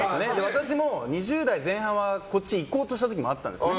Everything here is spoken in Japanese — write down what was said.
私も２０代前半はこっちに行こうとした時もあったんですよ。